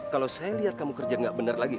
kalau saya lihat kamu kerja nggak benar lagi